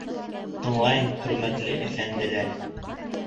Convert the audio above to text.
— Тыңлайым, хөрмәтле әфәнделәр.